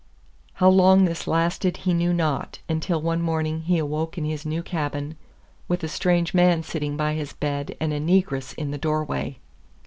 How long this lasted he knew not, until one morning he awoke in his new cabin with a strange man sitting by his bed and a Negress in the doorway.